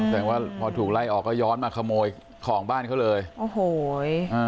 แต่ว่าพอถูกไล่ออกก็ย้อนมาขโมยของบ้านเขาเลยโอ้โหอ่า